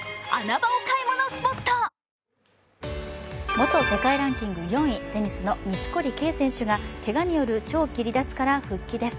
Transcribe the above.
元世界ランキング４位、テニスの錦織圭選手がけがによる長期離脱から復帰です。